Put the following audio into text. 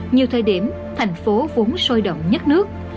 nhiều thời điểm thành phố vốn sôi động nhất nước